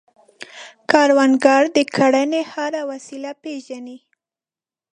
کروندګر د کرنې هره وسیله پېژني